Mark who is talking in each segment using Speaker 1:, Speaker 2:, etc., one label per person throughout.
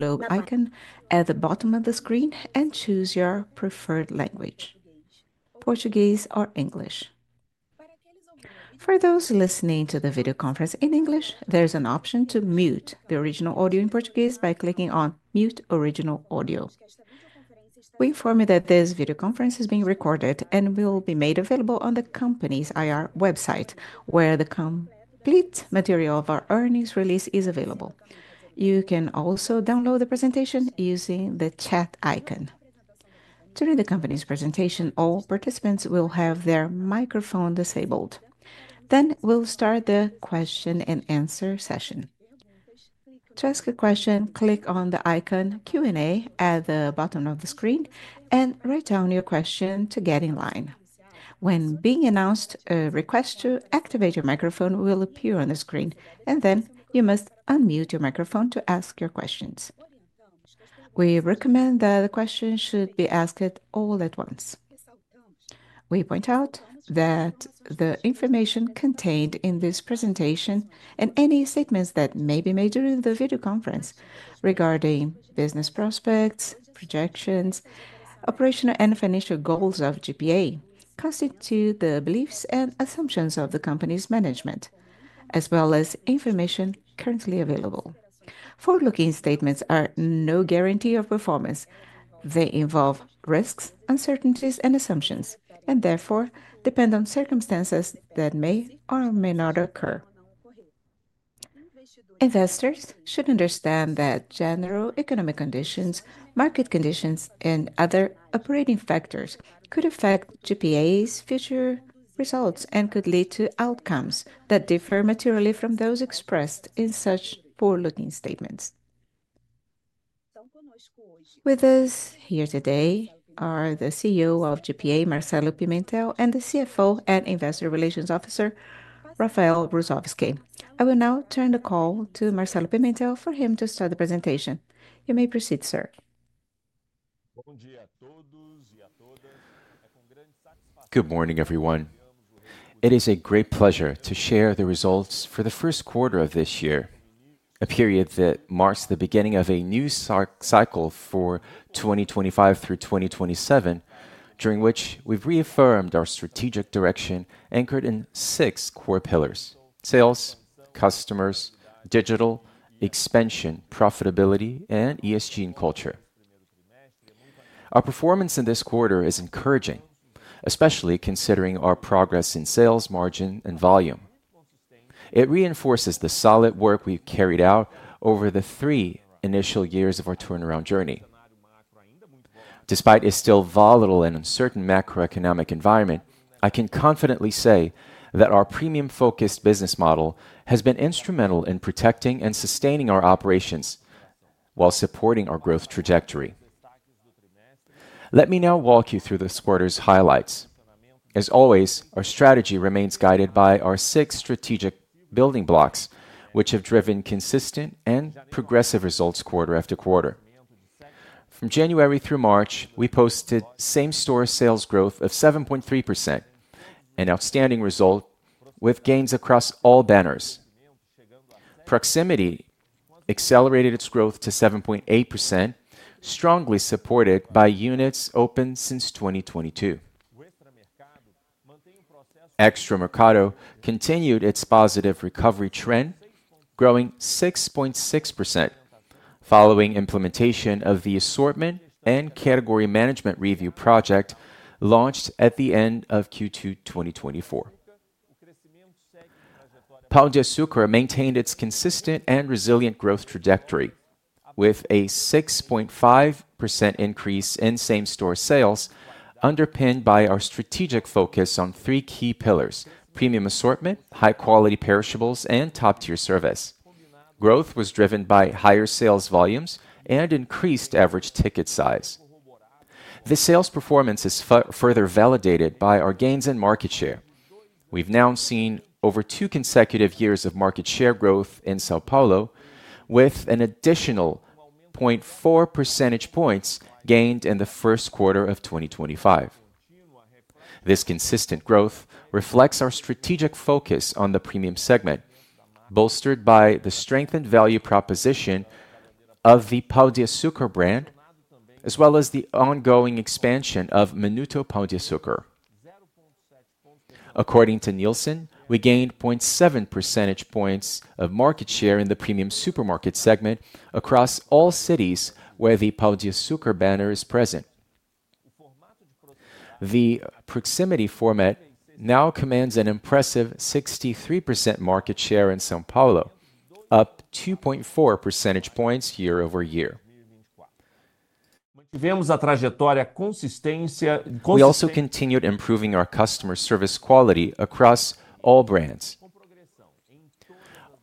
Speaker 1: Globe icon at the bottom of the screen and choose your preferred language: Portuguese or English. For those listening to the video conference in English, there is an option to mute the original audio in Portuguese by clicking on "Mute Original Audio." We inform you that this video conference is being recorded and will be made available on the company's IR website, where the complete material of our earnings release is available. You can also download the presentation using the chat icon. During the company's presentation, all participants will have their microphone disabled. We will start the question and answer session. To ask a question, click on the icon "Q&A" at the bottom of the screen and write down your question to get in line. When being announced, a request to activate your microphone will appear on the screen, and then you must unmute your microphone to ask your questions. We recommend that the question should be asked all at once. We point out that the information contained in this presentation and any statements that may be made during the video conference regarding business prospects, projections, operational and financial goals of GPA constitute the beliefs and assumptions of the company's management, as well as information currently available. Forward-looking statements are no guarantee of performance. They involve risks, uncertainties, and assumptions, and therefore depend on circumstances that may or may not occur. Investors should understand that general economic conditions, market conditions, and other operating factors could affect GPA's future results and could lead to outcomes that differ materially from those expressed in such forward-looking statements. With us here today are the CEO of GPA, Marcelo Pimentel, and the CFO and Investor Relations Officer, Rafael Russowsky. I will now turn the call to Marcelo Pimentel for him to start the presentation. You may proceed, sir.
Speaker 2: Good morning, everyone. It is a great pleasure to share the results for the first quarter of this year, a period that marks the beginning of a new cycle for 2025 through 2027, during which we've reaffirmed our strategic direction anchored in six core pillars: sales, customers, digital, expansion, profitability, and ESG in culture. Our performance in this quarter is encouraging, especially considering our progress in sales, margin, and volume. It reinforces the solid work we've carried out over the three initial years of our turnaround journey. Despite a still volatile and uncertain macroeconomic environment, I can confidently say that our premium-focused business model has been instrumental in protecting and sustaining our operations while supporting our growth trajectory. Let me now walk you through this quarter's highlights. As always, our strategy remains guided by our six strategic building blocks, which have driven consistent and progressive results quarter after quarter. From January through March, we posted same-store sales growth of 7.3%, an outstanding result with gains across all banners. Proximity accelerated its growth to 7.8%, strongly supported by units open since 2022. Extra Mercado continued its positive recovery trend, growing 6.6% following implementation of the assortment and category management review project launched at the end of Q2 2024. Pão de Açúcar maintained its consistent and resilient growth trajectory, with a 6.5% increase in same-store sales, underpinned by our strategic focus on three key pillars: premium assortment, high-quality perishables, and top-tier service. Growth was driven by higher sales volumes and increased average ticket size. This sales performance is further validated by our gains in market share. We've now seen over two consecutive years of market share growth in São Paulo, with an additional 0.4 percentage points gained in the first quarter of 2025. This consistent growth reflects our strategic focus on the premium segment, bolstered by the strengthened value proposition of the Pão de Açúcar brand, as well as the ongoing expansion of Minuto Pão de Açúcar. According to Nielsen, we gained 0.7 percentage points of market share in the premium supermarket segment across all cities where the Pão de Açúcar banner is present. The Proximity format now commands an impressive 63% market share in São Paulo, up 2.4 percentage points year over year. We also continued improving our customer service quality across all brands.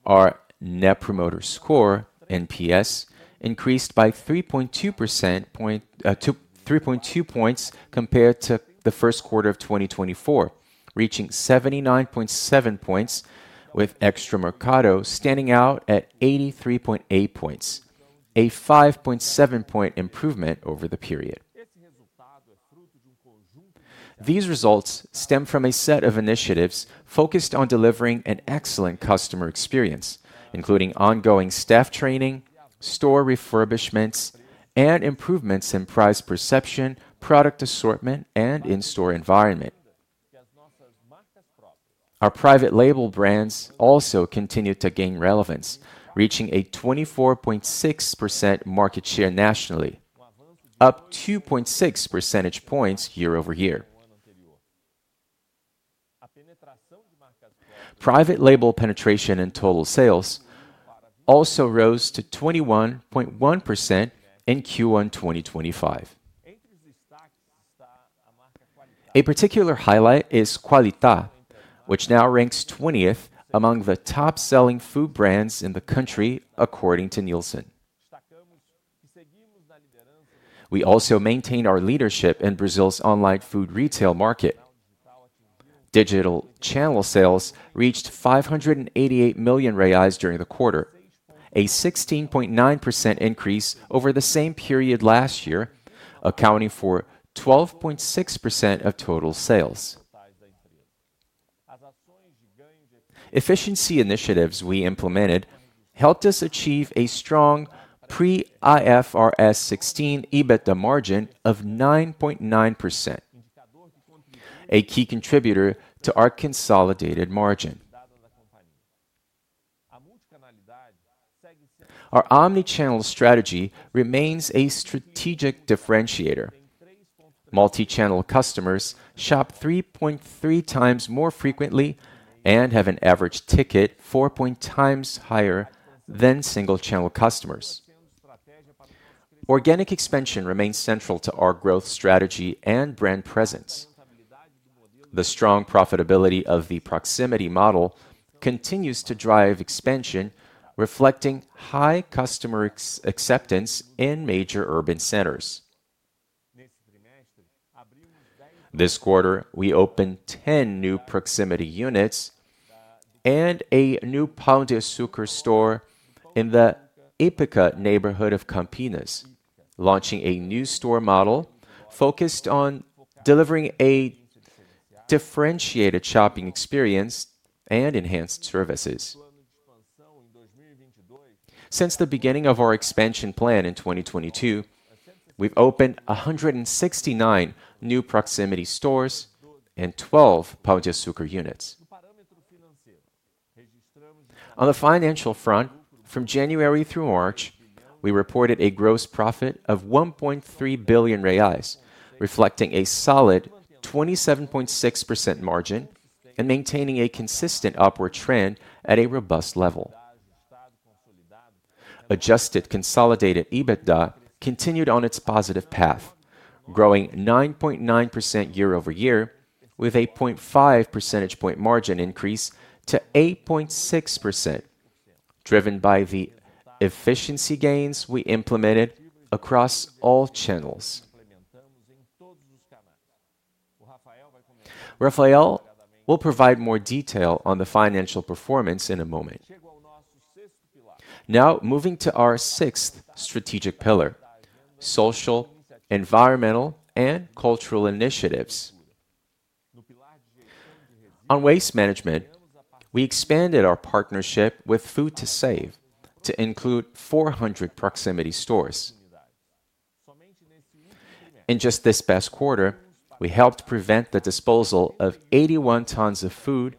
Speaker 2: Our Net Promoter Score, NPS, increased by 3.2 points compared to the first quarter of 2024, reaching 79.7 points, with Mercado Extra standing out at 83.8 points, a 5.7-point improvement over the period. These results stem from a set of initiatives focused on delivering an excellent customer experience, including ongoing staff training, store refurbishments, and improvements in price perception, product assortment, and in-store environment. Our private label brands also continued to gain relevance, reaching a 24.6% market share nationally, up 2.6 percentage points year over year. Private label penetration in total sales also rose to 21.1% in Q1 2025. A particular highlight is Qualitá, which now ranks 20th among the top-selling food brands in the country, according to Nielsen. We also maintain our leadership in Brazil's online food retail market. Digital channel sales reached 588 million reais during the quarter, a 16.9% increase over the same period last year, accounting for 12.6% of total sales. Efficiency initiatives we implemented helped us achieve a strong pre-IFRS 16 EBITDA margin of 9.9%, a key contributor to our consolidated margin. Our omnichannel strategy remains a strategic differentiator. Multichannel customers shop 3.3 times more frequently and have an average ticket 4.1 times higher than single-channel customers. Organic expansion remains central to our growth strategy and brand presence. The strong profitability of the Proximity model continues to drive expansion, reflecting high customer acceptance in major urban centers. This quarter, we opened 10 new Proximity units and a new Pão de Açúcar store in the Ípica neighborhood of Campinas, launching a new store model focused on delivering a differentiated shopping experience and enhanced services. Since the beginning of our expansion plan in 2022, we've opened 169 new Proximity stores and 12 Pão de Açúcar units. On the financial front, from January through March, we reported a gross profit of 1.3 billion reais, reflecting a solid 27.6% margin and maintaining a consistent upward trend at a robust level. Adjusted consolidated EBITDA continued on its positive path, growing 9.9% year over year, with a 0.5 percentage point margin increase to 8.6%, driven by the efficiency gains we implemented across all channels. Rafael will provide more detail on the financial performance in a moment. Now, moving to our sixth strategic pillar: social, environmental, and cultural initiatives. On waste management, we expanded our partnership with Food to Save to include 400 Proximity stores. In just this past quarter, we helped prevent the disposal of 81 tons of food,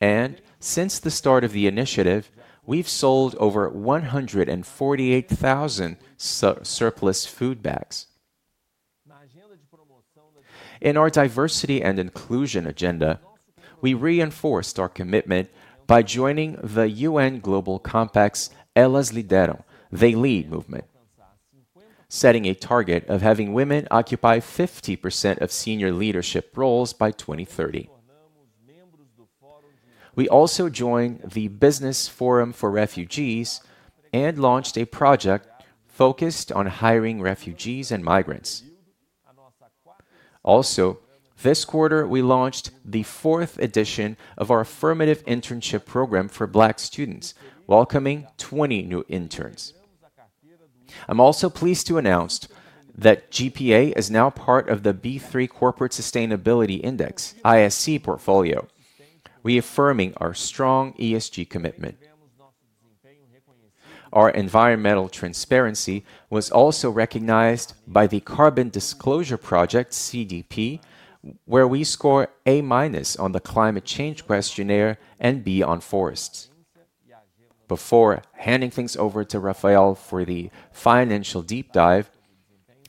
Speaker 2: and since the start of the initiative, we've sold over 148,000 surplus food bags. In our diversity and inclusion agenda, we reinforced our commitment by joining the UN Global Compact's Elas Lideram, They Lead movement, setting a target of having women occupy 50% of senior leadership roles by 2030. We also joined the Business Forum for Refugees and launched a project focused on hiring refugees and migrants. Also, this quarter, we launched the fourth edition of our affirmative internship program for Black students, welcoming 20 new interns. I'm also pleased to announce that GPA is now part of the B3 Corporate Sustainability Index (ISC) portfolio, reaffirming our strong ESG commitment. Our environmental transparency was also recognized by the Carbon Disclosure Project (CDP), where we score A- on the climate change questionnaire and B on forests. Before handing things over to Rafael for the financial deep dive,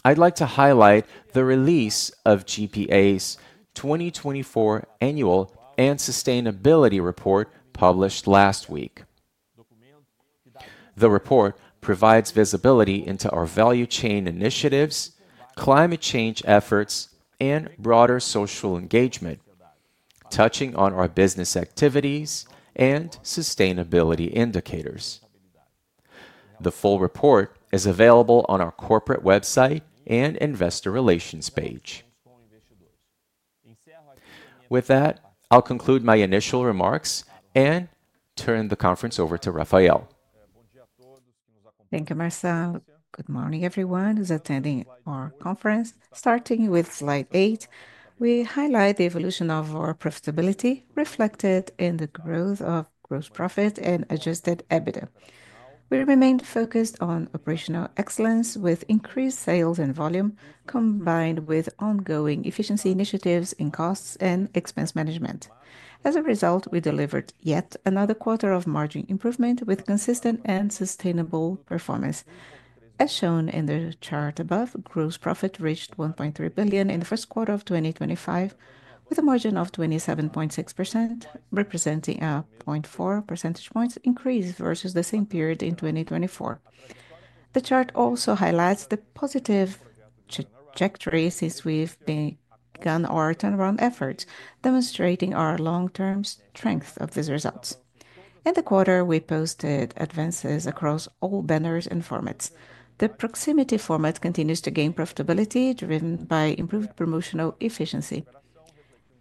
Speaker 2: I'd like to highlight the release of GPA's 2024 annual and sustainability report published last week. The report provides visibility into our value chain initiatives, climate change efforts, and broader social engagement, touching on our business activities and sustainability indicators. The full report is available on our corporate website and investor relations page. With that, I'll conclude my initial remarks and turn the conference over to Rafael.
Speaker 3: Thank you, Marcelo. Good morning, everyone who's attending our conference. Starting with slide 8, we highlight the evolution of our profitability reflected in the growth of gross profit and adjusted EBITDA. We remained focused on operational excellence with increased sales and volume, combined with ongoing efficiency initiatives in costs and expense management. As a result, we delivered yet another quarter of margin improvement with consistent and sustainable performance. As shown in the chart above, gross profit reached 1.3 billion in the first quarter of 2025, with a margin of 27.6%, representing a 0.4 percentage points increase versus the same period in 2024. The chart also highlights the positive trajectory since we've begun our turnaround efforts, demonstrating our long-term strength of these results. In the quarter, we posted advances across all banners and formats. The Proximity format continues to gain profitability driven by improved promotional efficiency.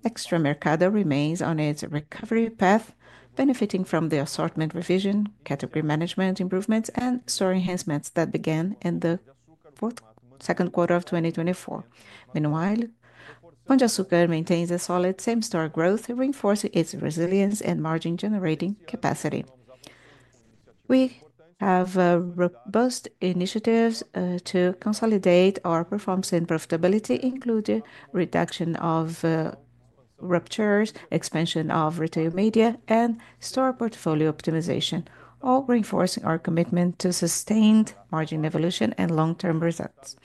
Speaker 3: Extra Mercado remains on its recovery path, benefiting from the assortment revision, category management improvements, and store enhancements that began in the second quarter of 2024. Meanwhile, Pão de Açúcar maintains a solid same-store growth, reinforcing its resilience and margin-generating capacity. We have robust initiatives to consolidate our performance and profitability, including reduction of ruptures, expansion of retail media, and store portfolio optimization, all reinforcing our commitment to sustained margin evolution and long-term results.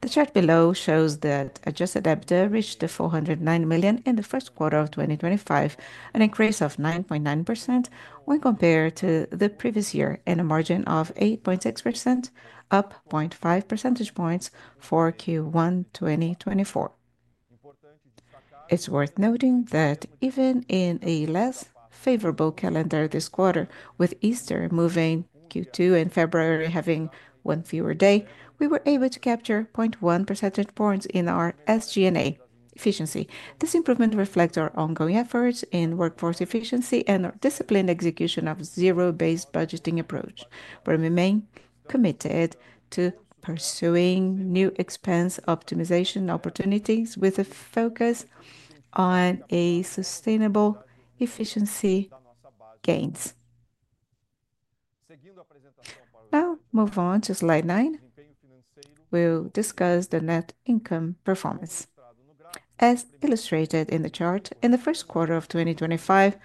Speaker 3: The chart below shows that adjusted EBITDA reached 409 million in the first quarter of 2025, an increase of 9.9% when compared to the previous year, and a margin of 8.6%, up 0.5 percentage points for Q1 2024. It's worth noting that even in a less favorable calendar this quarter, with Easter moving to Q2 and February having one fewer day, we were able to capture 0.1 percentage points in our SG&A efficiency. This improvement reflects our ongoing efforts in workforce efficiency and our disciplined execution of a zero-based budgeting approach, where we remain committed to pursuing new expense optimization opportunities with a focus on sustainable efficiency gains. Now, move on to slide 9. We'll discuss the net income performance. As illustrated in the chart, in the first quarter of 2025,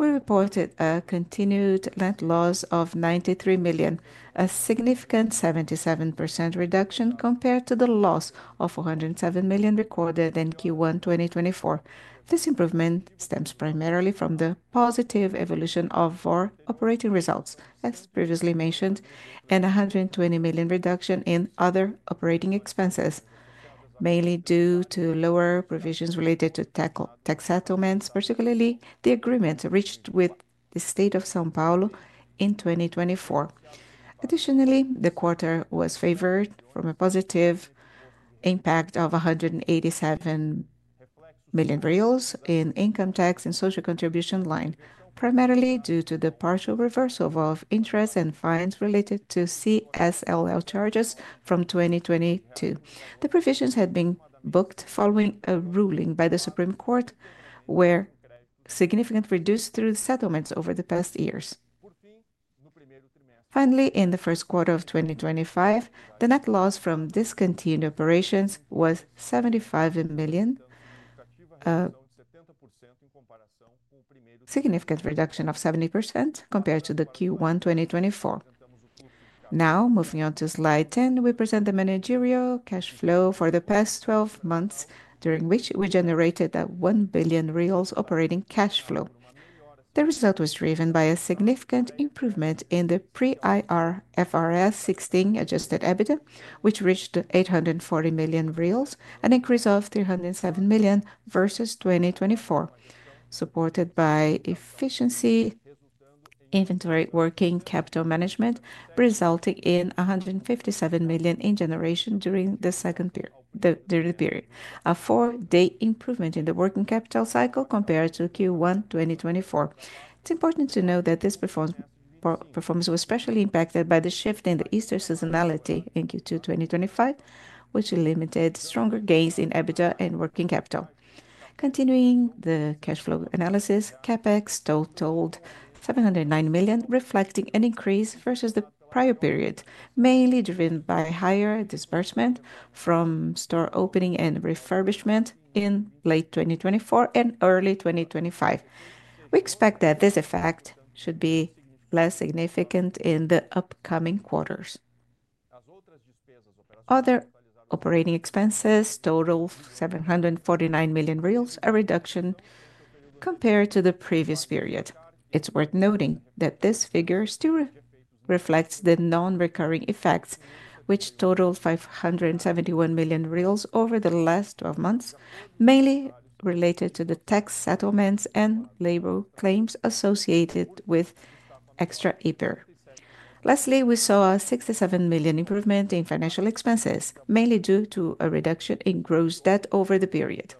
Speaker 3: we reported a continued net loss of 93 million, a significant 77% reduction compared to the loss of 407 million recorded in Q1 2024. This improvement stems primarily from the positive evolution of our operating results, as previously mentioned, and a 120 million reduction in other operating expenses, mainly due to lower provisions related to tax settlements, particularly the agreement reached with the state of São Paulo in 2024. Additionally, the quarter was favored from a positive impact of 187 million reais in income tax and social contribution line, primarily due to the partial reversal of interest and fines related to CSLL charges from 2022. The provisions had been booked following a ruling by the Supreme Court, where significant reductions through the settlements over the past years. Finally, in the first quarter of 2025, the net loss from discontinued operations was BRL 75 million, a significant reduction of 70% compared to Q1 2024. Now, moving on to slide 10, we present the managerial cash flow for the past 12 months, during which we generated a 1 billion reais operating cash flow. The result was driven by a significant improvement in the pre-IFRS 16 adjusted EBITDA, which reached 840 million reais, an increase of 307 million versus 2024, supported by efficiency, inventory, working capital management, resulting in 157 million in generation during the second period, a four-day improvement in the working capital cycle compared to Q1 2024. It's important to note that this performance was especially impacted by the shift in the Easter seasonality in Q2 2025, which limited stronger gains in EBITDA and working capital. Continuing the cash flow analysis, CapEx totaled 709 million, reflecting an increase versus the prior period, mainly driven by higher disbursement from store opening and refurbishment in late 2024 and early 2025. We expect that this effect should be less significant in the upcoming quarters. Other operating expenses totaled 749 million reais, a reduction compared to the previous period. It's worth noting that this figure still reflects the non-recurring effects, which totaled 571 million over the last 12 months, mainly related to the tax settlements and labor claims associated with Extra IPR. Lastly, we saw a 67 million improvement in financial expenses, mainly due to a reduction in gross debt over the period.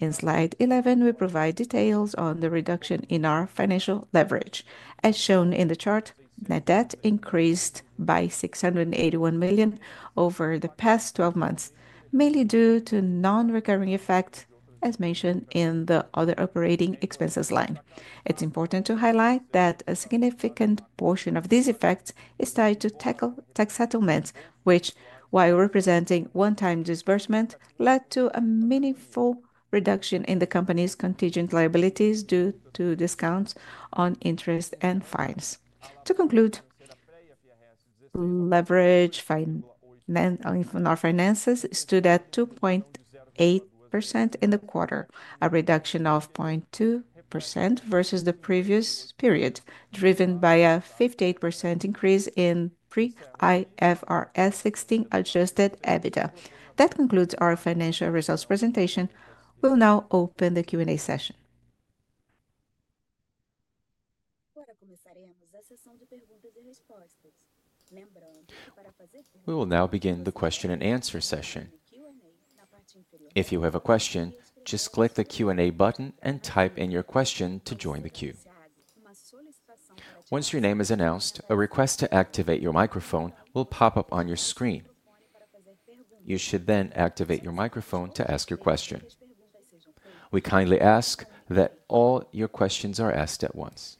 Speaker 3: In slide 11, we provide details on the reduction in our financial leverage. As shown in the chart, net debt increased by 681 million over the past 12 months, mainly due to non-recurring effects, as mentioned in the other operating expenses line. It's important to highlight that a significant portion of these effects is tied to tax settlements, which, while representing one-time disbursement, led to a meaningful reduction in the company's contingent liabilities due to discounts on interest and fines. To conclude, leverage in our finances stood at 2.8% in the quarter, a reduction of 0.2% versus the previous period, driven by a 58% increase in pre-IFRS 16 adjusted EBITDA. That concludes our financial results presentation. We'll now open the Q&A session.
Speaker 1: Agora começaremos a sessão de perguntas e respostas. Lembrando que para fazer perguntas e respostas, we will now begin the question and answer session. If you have a question, just click the Q&A button and type in your question to join the queue. Once your name is announced, a request to activate your microphone will pop up on your screen. You should then activate your microphone to ask your question. We kindly ask that all your questions are asked at once.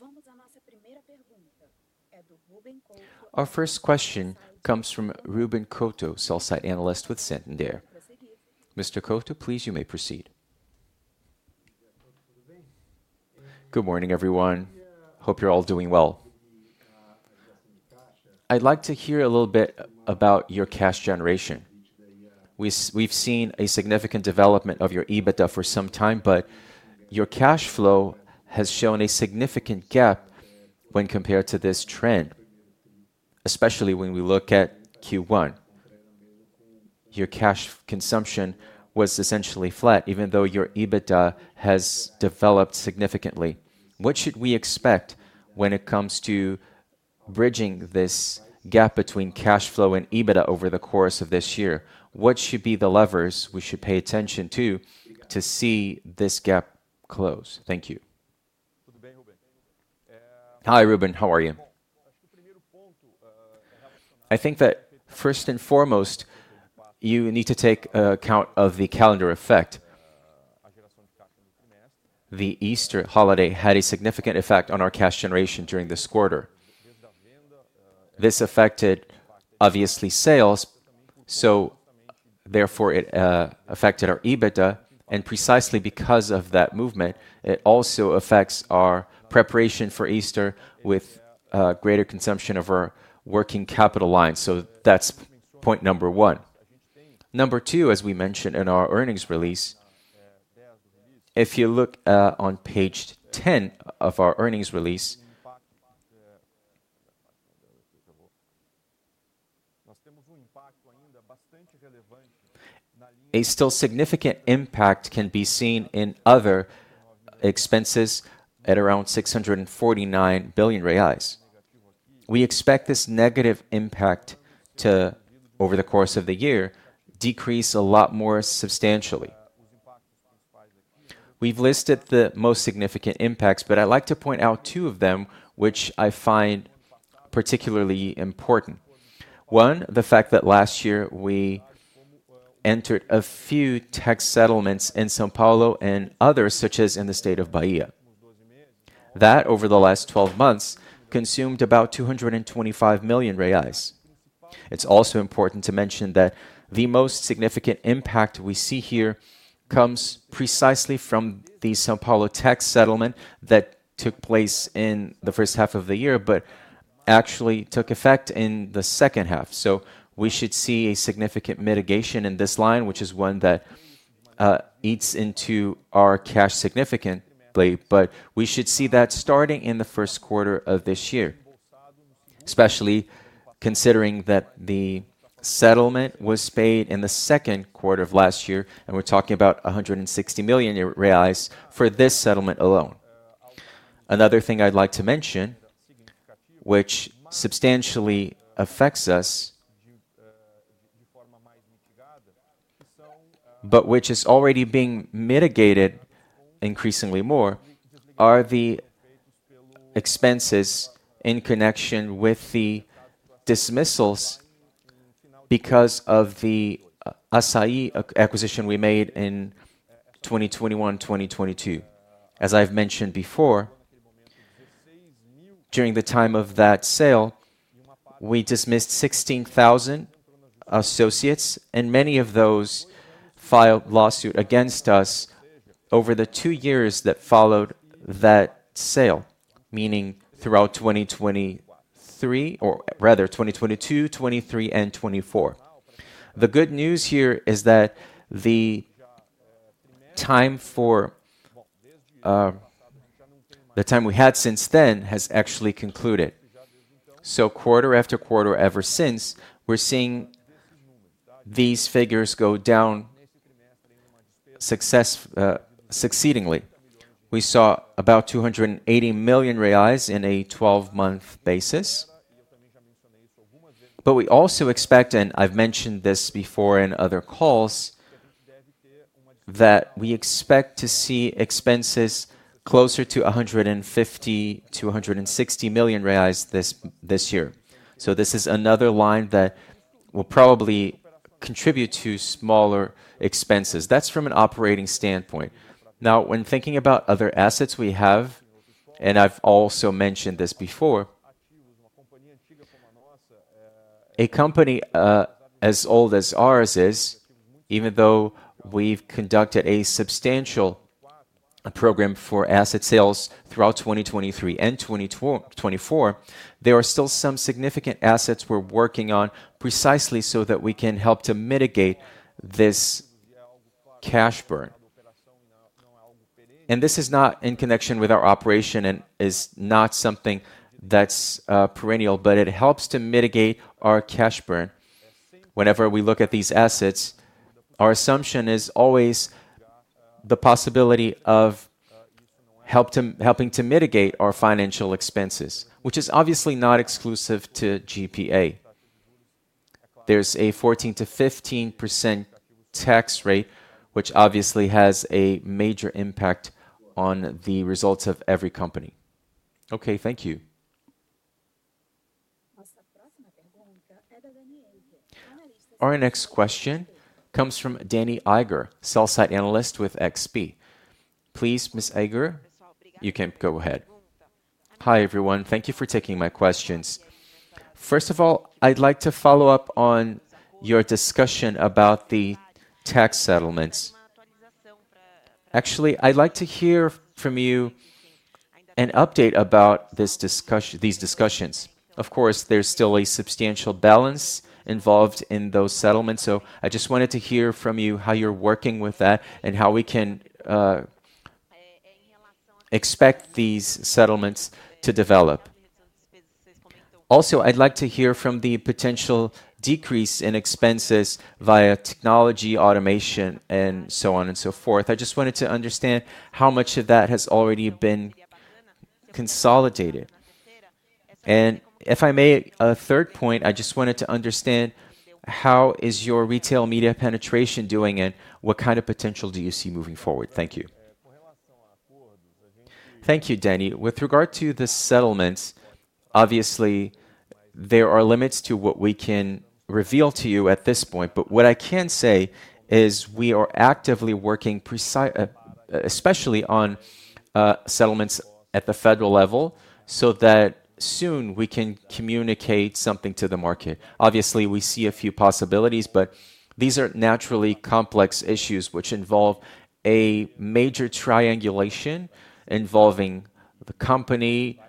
Speaker 1: Vamos à nossa primeira pergunta. É do Ruben Couto. Our first question comes from Ruben Couto, Sell Side Analyst with Santander. Mr. Couto, please, you may proceed.
Speaker 4: Good morning, everyone. Hope you're all doing well. I'd like to hear a little bit about your cash generation. We've seen a significant development of your EBITDA for some time, but your cash flow has shown a significant gap when compared to this trend, especially when we look at Q1. Your cash consumption was essentially flat, even though your EBITDA has developed significantly. What should we expect when it comes to bridging this gap between cash flow and EBITDA over the course of this year? What should be the levers we should pay attention to to see this gap close? Thank you.
Speaker 3: Hi, Ruben. How are you? I think that first and foremost, you need to take account of the calendar effect. The Easter holiday had a significant effect on our cash generation during this quarter. This affected, obviously, sales, so therefore it affected our EBITDA. Precisely because of that movement, it also affects our preparation for Easter with greater consumption of our working capital line. That is point number one. Number two, as we mentioned in our earnings release, if you look on page 10 of our earnings release, a still significant impact can be seen in other expenses at around 649 billion reais. We expect this negative impact to, over the course of the year, decrease a lot more substantially. We have listed the most significant impacts, but I would like to point out two of them, which I find particularly important. One, the fact that last year we entered a few tax settlements in São Paulo and others, such as in the state of Bahia. That, over the last 12 months, consumed about 225 million reais. It's also important to mention that the most significant impact we see here comes precisely from the São Paulo tax settlement that took place in the first half of the year, but actually took effect in the second half. We should see a significant mitigation in this line, which is one that eats into our cash significantly. We should see that starting in the first quarter of this year, especially considering that the settlement was paid in the second quarter of last year, and we're talking about 160 million reais for this settlement alone. Another thing I'd like to mention, which substantially affects us, but which is already being mitigated increasingly more, are the expenses in connection with the dismissals because of the Assaí acquisition we made in 2021-2022. As I've mentioned before, during the time of that sale, we dismissed 16,000 associates, and many of those filed lawsuit against us over the two years that followed that sale, meaning throughout 2023, or rather 2022, 2023, and 2024. The good news here is that the time we had since then has actually concluded. Quarter after quarter ever since, we're seeing these figures go down successfully. Succeedingly, we saw about 280 million reais in a 12-month basis. We also expect, and I've mentioned this before in other calls, that we expect to see expenses closer to 150-160 million reais this year. This is another line that will probably contribute to smaller expenses. That is from an operating standpoint. Now, when thinking about other assets we have, and I have also mentioned this before, a company as old as ours is, even though we have conducted a substantial program for asset sales throughout 2023 and 2024, there are still some significant assets we are working on precisely so that we can help to mitigate this cash burn. This is not in connection with our operation and is not something that is perennial, but it helps to mitigate our cash burn. Whenever we look at these assets, our assumption is always the possibility of helping to mitigate our financial expenses, which is obviously not exclusive to GPA. There is a 14-15% tax rate, which obviously has a major impact on the results of every company.
Speaker 4: Okay, thank you.
Speaker 1: Our next question comes from Danniela Eiger, Sell Side Analyst with XP. Please, Ms. Eiger, you can go ahead.
Speaker 5: Hi everyone, thank you for taking my questions. First of all, I'd like to follow up on your discussion about the tax settlements. Actually, I'd like to hear from you an update about these discussions. Of course, there's still a substantial balance involved in those settlements, so I just wanted to hear from you how you're working with that and how we can expect these settlements to develop. Also, I'd like to hear from the potential decrease in expenses via technology, automation, and so on and so forth. I just wanted to understand how much of that has already been consolidated. And if I may, a third point, I just wanted to understand how is your retail media penetration doing, and what kind of potential do you see moving forward? Thank you.
Speaker 2: Thank you, Danni. With regard to the settlements, obviously, there are limits to what we can reveal to you at this point, but what I can say is we are actively working precisely, especially on settlements at the federal level, so that soon we can communicate something to the market. Obviously, we see a few possibilities, but these are naturally complex issues, which involve a major triangulation involving the company,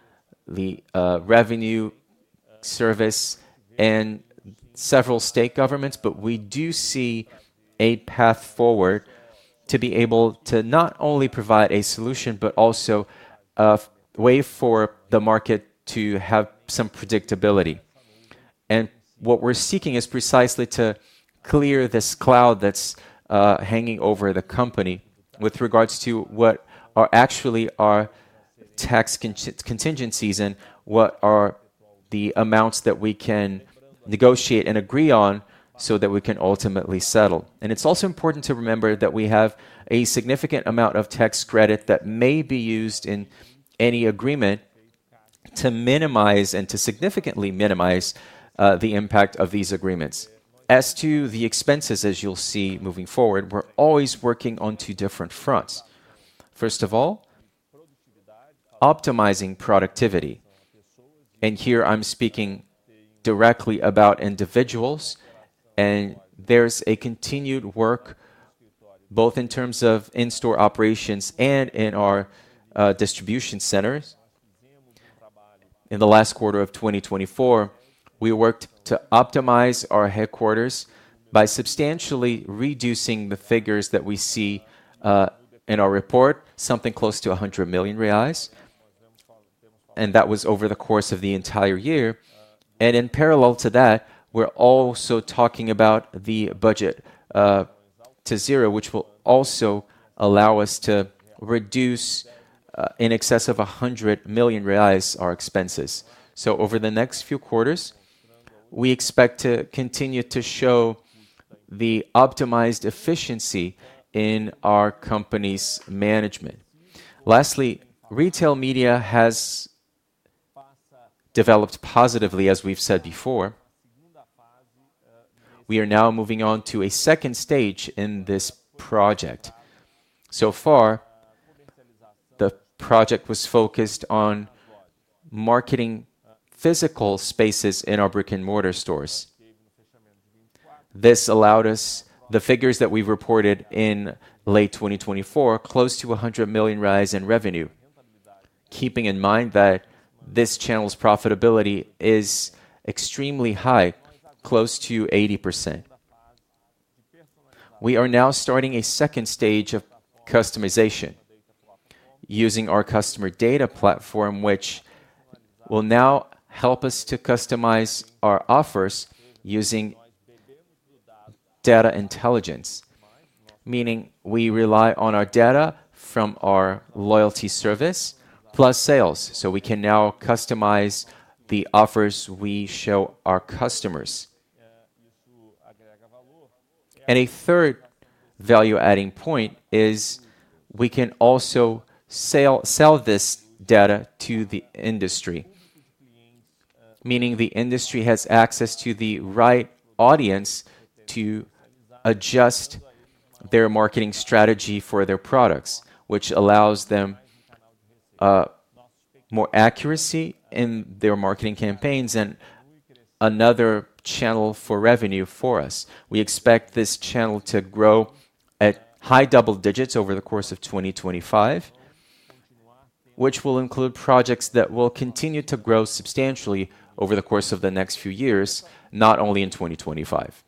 Speaker 2: the revenue service, and several state governments. We do see a path forward to be able to not only provide a solution, but also a way for the market to have some predictability. What we're seeking is precisely to clear this cloud that's hanging over the company with regards to what are actually our tax contingencies and what are the amounts that we can negotiate and agree on so that we can ultimately settle. It is also important to remember that we have a significant amount of tax credit that may be used in any agreement to minimize and to significantly minimize the impact of these agreements. As to the expenses, as you'll see moving forward, we're always working on two different fronts. First of all, optimizing productivity. Here I'm speaking directly about individuals, and there's a continued work both in terms of in-store operations and in our distribution centers. In the last quarter of 2024, we worked to optimize our headquarters by substantially reducing the figures that we see in our report, something close to 100 million reais. That was over the course of the entire year. In parallel to that, we're also talking about the budget to zero, which will also allow us to reduce in excess of 100 million reais our expenses. Over the next few quarters, we expect to continue to show the optimized efficiency in our company's management. Lastly, retail media has developed positively, as we've said before. We are now moving on to a second stage in this project. So far, the project was focused on marketing physical spaces in our brick-and-mortar stores. This allowed us the figures that we've reported in late 2024, close to 100 million in revenue, keeping in mind that this channel's profitability is extremely high, close to 80%. We are now starting a second stage of customization using our customer data platform, which will now help us to customize our offers using data intelligence, meaning we rely on our data from our loyalty service plus sales. We can now customize the offers we show our customers. A third value-adding point is we can also sell this data to the industry, meaning the industry has access to the right audience to adjust their marketing strategy for their products, which allows them more accuracy in their marketing campaigns and another channel for revenue for us. We expect this channel to grow at high double digits over the course of 2025, which will include projects that will continue to grow substantially over the course of the next few years, not only in 2025.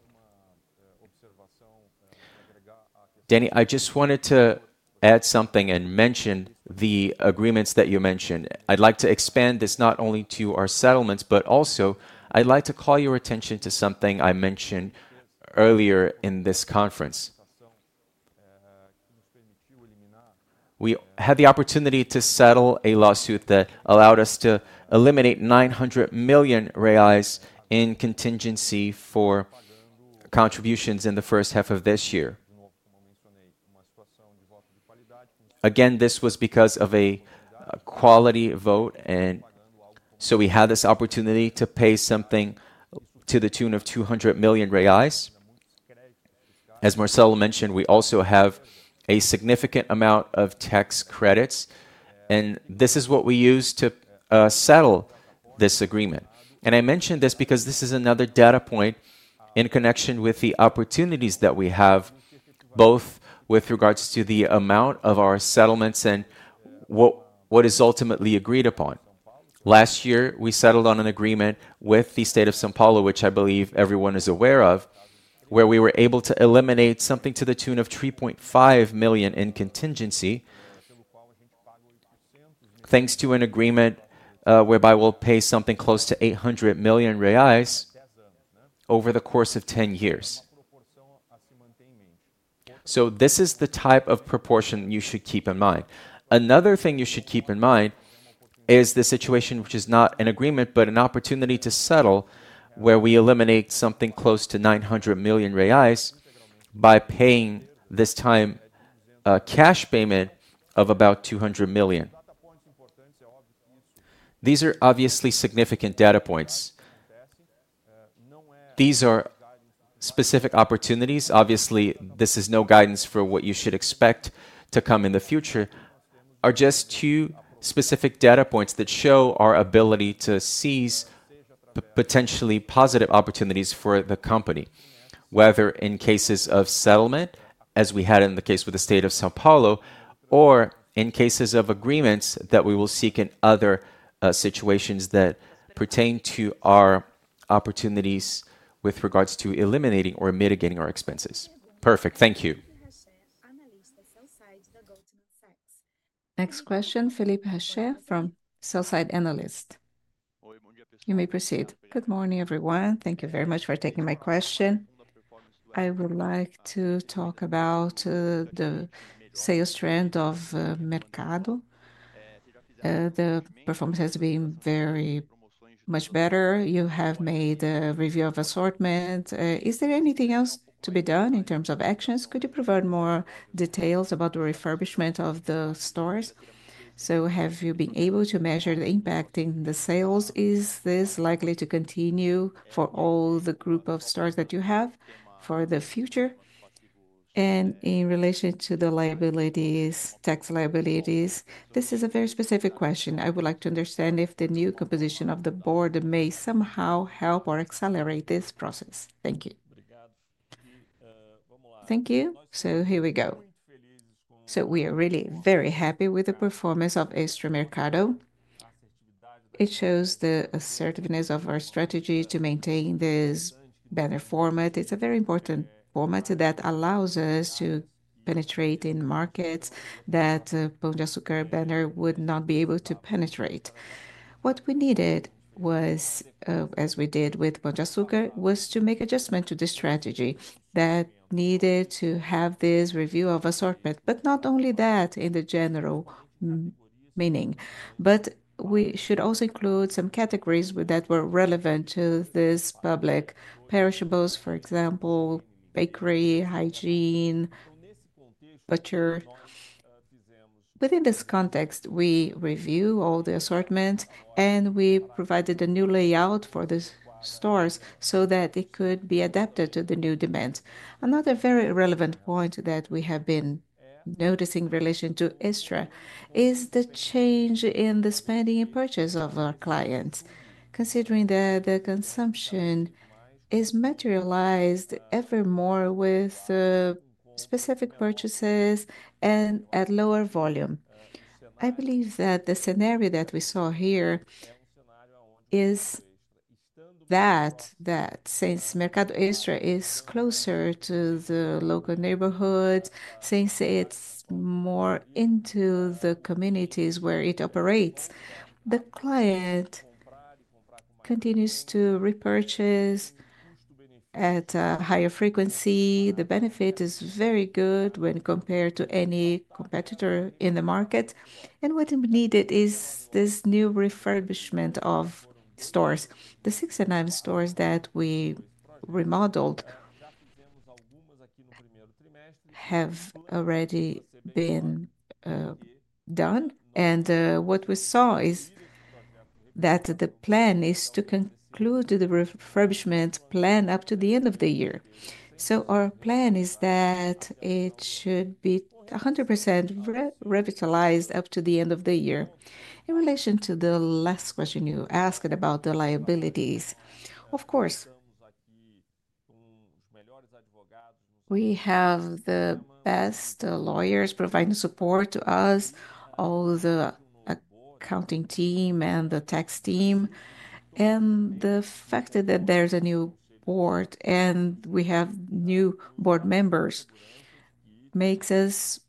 Speaker 3: Danni, I just wanted to add something and mention the agreements that you mentioned. I would like to expand this not only to our settlements, but also I would like to call your attention to something I mentioned earlier in this conference. We had the opportunity to settle a lawsuit that allowed us to eliminate 900 million reais in contingency for contributions in the first half of this year. Again, this was because of a quality vote, and we had this opportunity to pay something to the tune of 200 million reais. As Marcelo mentioned, we also have a significant amount of tax credits, and this is what we use to settle this agreement. I mention this because this is another data point in connection with the opportunities that we have, both with regards to the amount of our settlements and what is ultimately agreed upon. Last year, we settled on an agreement with the state of São Paulo, which I believe everyone is aware of, where we were able to eliminate something to the tune of 3.5 million in contingency, thanks to an agreement whereby we'll pay something close to 800 million reais over the course of 10 years. This is the type of proportion you should keep in mind. Another thing you should keep in mind is the situation, which is not an agreement, but an opportunity to settle where we eliminate something close to 900 million reais by paying this time a cash payment of about 200 million. These are obviously significant data points. These are specific opportunities. Obviously, this is no guidance for what you should expect to come in the future, are just two specific data points that show our ability to seize potentially positive opportunities for the company, whether in cases of settlement, as we had in the case with the state of São Paulo, or in cases of agreements that we will seek in other situations that pertain to our opportunities with regards to eliminating or mitigating our expenses.
Speaker 5: Perfect, thank you.
Speaker 1: Next question, Felipe Rached from Sell Side Analyst. You may proceed.
Speaker 6: Good morning, everyone. Thank you very much for taking my question. I would like to talk about the sales trend of Mercado. The performance has been very much better. You have made a review of assortment. Is there anything else to be done in terms of actions? Could you provide more details about the refurbishment of the stores? Have you been able to measure the impact in the sales? Is this likely to continue for all the group of stores that you have for the future? In relation to the liabilities, tax liabilities, this is a very specific question. I would like to understand if the new composition of the board may somehow help or accelerate this process. Thank you.
Speaker 2: Thank you. Here we go. We are really very happy with the performance of Extra Mercado. It shows the assertiveness of our strategy to maintain this banner format. It is a very important format that allows us to penetrate in markets that Pão de Açúcar banner would not be able to penetrate. What we needed was, as we did with Pão de Açúcar, to make adjustments to this strategy that needed to have this review of assortment. Not only that in the general meaning, but we should also include some categories that were relevant to this public, perishables, for example, bakery, hygiene, butcher. Within this context, we review all the assortment, and we provided a new layout for the stores so that it could be adapted to the new demands. Another very relevant point that we have been noticing in relation to Extra is the change in the spending and purchase of our clients, considering that the consumption is materialized ever more with specific purchases and at lower volume. I believe that the scenario that we saw here is that since Mercado Extra is closer to the local neighborhood, since it is more into the communities where it operates, the client continues to repurchase at a higher frequency. The benefit is very good when compared to any competitor in the market. What we needed is this new refurbishment of stores. The 69 stores that we remodeled have already been done. What we saw is that the plan is to conclude the refurbishment plan up to the end of the year. Our plan is that it should be 100% revitalized up to the end of the year. In relation to the last question you asked about the liabilities, of course, we have the best lawyers providing support to us, all the accounting team and the tax team. The fact that there is a new board and we have new board members makes us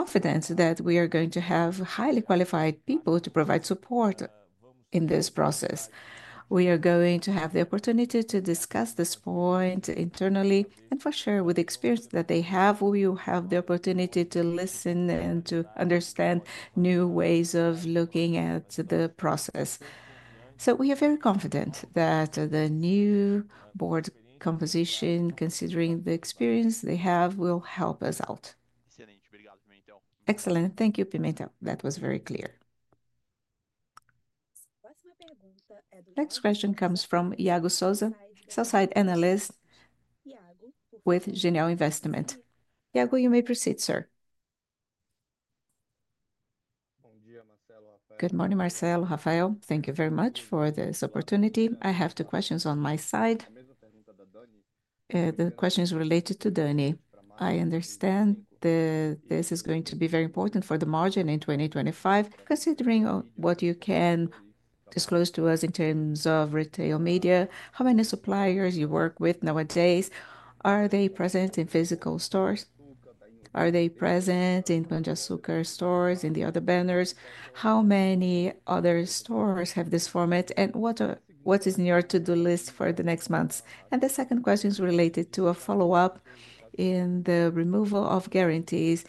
Speaker 2: confident that we are going to have highly qualified people to provide support in this process. We are going to have the opportunity to discuss this point internally. For sure, with the experience that they have, we will have the opportunity to listen and to understand new ways of looking at the process. We are very confident that the new board composition, considering the experience they have, will help us out.
Speaker 6: Excellent. Thank you, Pimentel. That was very clear.
Speaker 1: Next question comes from Iago Souza, Sell Side Analyst with Genial Investimentos. Iago, you may proceed, sir.
Speaker 7: Good morning, Marcelo, Rafael. Thank you very much for this opportunity. I have two questions on my side. The question is related to Danni. I understand that this is going to be very important for the margin in 2025. Considering what you can disclose to us in terms of retail media, how many suppliers you work with nowadays? Are they present in physical stores? Are they present in Pão de Açúcar stores and the other banners? How many other stores have this format? What is in your to-do list for the next months? The second question is related to a follow-up in the removal of guarantees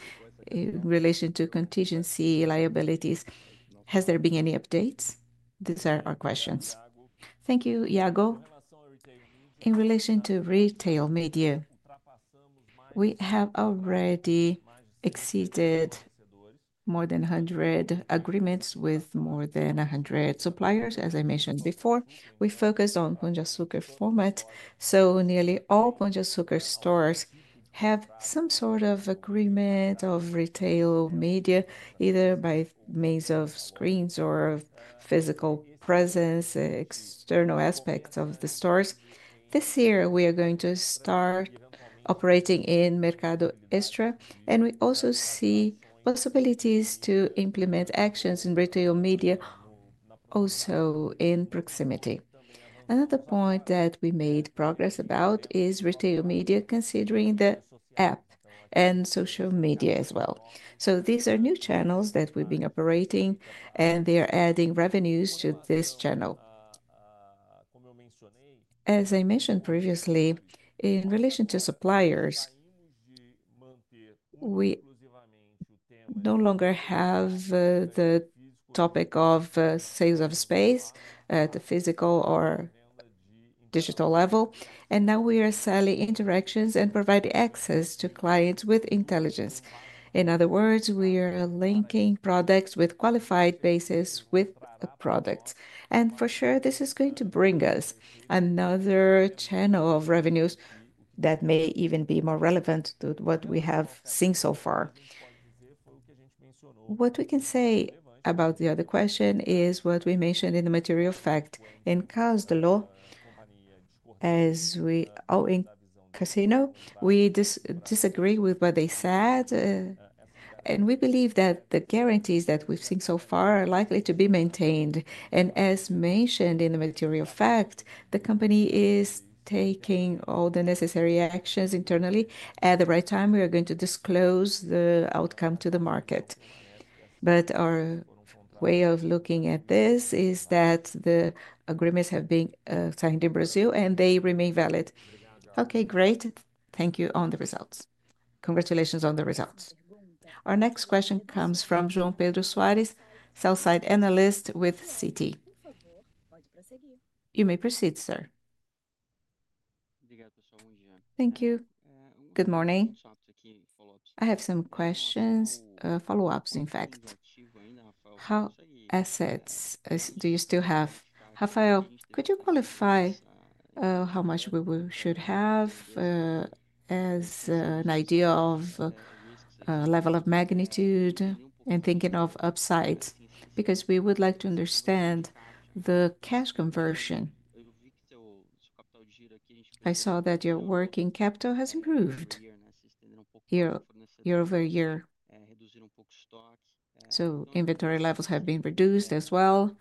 Speaker 7: in relation to contingency liabilities. Has there been any updates? These are our questions.
Speaker 2: Thank you, Iago. In relation to retail media, we have already exceeded more than 100 agreements with more than 100 suppliers. As I mentioned before, we focus on Pão de Açúcar format. Nearly all Pão de Açúcar stores have some sort of agreement of retail media, either by means of screens or physical presence, external aspects of the stores. This year, we are going to start operating in Mercado Extra, and we also see possibilities to implement actions in retail media, also in proximity. Another point that we made progress about is retail media, considering the app and social media as well. These are new channels that we've been operating, and they are adding revenues to this channel. As I mentioned previously, in relation to suppliers, we no longer have the topic of sales of space at the physical or digital level. Now we are selling interactions and providing access to clients with intelligence. In other words, we are linking products with qualified bases with products. For sure, this is going to bring us another channel of revenues that may even be more relevant to what we have seen so far. What we can say about the other question is what we mentioned in the material fact. In Casino, we disagree with what they said. We believe that the guarantees that we've seen so far are likely to be maintained. As mentioned in the material fact, the company is taking all the necessary actions internally. At the right time, we are going to disclose the outcome to the market. Our way of looking at this is that the agreements have been signed in Brazil, and they remain valid.
Speaker 7: Okay, great. Thank you on the results. Congratulations on the results.
Speaker 1: Our next question comes from João Pedro Soares, Sell Side Analyst with Citi. You may proceed, sir.
Speaker 8: Thank you. Good morning. I have some questions, follow-ups, in fact. How many assets do you still have? Rafael, could you qualify how much we should have as an idea of level of magnitude and thinking of upside? Because we would like to understand the cash conversion. I saw that your working capital has improved year over year. Inventory levels have been reduced as well.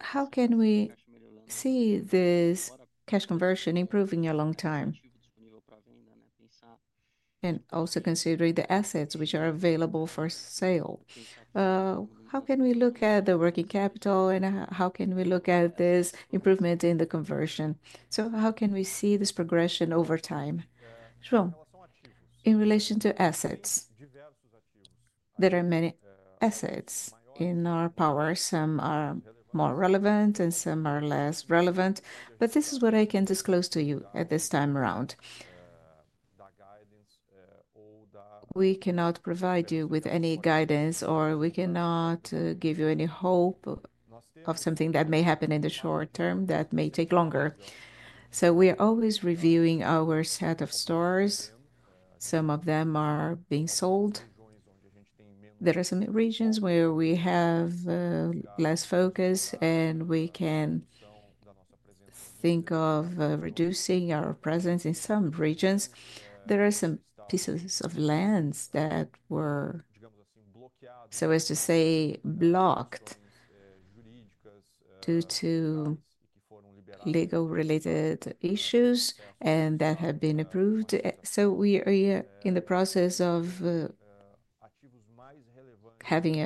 Speaker 8: How can we see this cash conversion improving a long time? Also, considering the assets which are available for sale, how can we look at the working capital, and how can we look at this improvement in the conversion? How can we see this progression over time?
Speaker 3: João, in relation to assets, there are many assets in our power. Some are more relevant, and some are less relevant. This is what I can disclose to you at this time around. We cannot provide you with any guidance, or we cannot give you any hope of something that may happen in the short term that may take longer. We are always reviewing our set of stores. Some of them are being sold. There are some regions where we have less focus, and we can think of reducing our presence in some regions. There are some pieces of land that were, so as to say, blocked due to legal-related issues and that have been approved. We are in the process of having